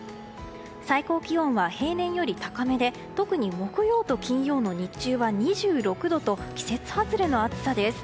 最高気温は、平年より高めで特に木曜と金曜の日中は２６度と季節外れの暑さです。